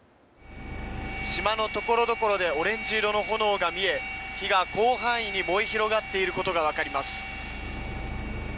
島のところどころでオレンジ色の炎が見え火が広範囲に燃え広がっていることが分かります。